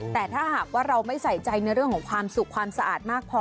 แต่ถ้าหากว่าเราไม่ใส่ใจในเรื่องของความสุขความสะอาดมากพอ